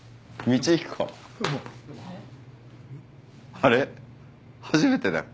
あれ初めてだっけ？